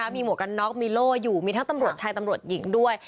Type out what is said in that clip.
มีหมวกกันน็อกมีโล่อยู่มีทั้งตำรวจชายตำรวจหญิงด้วย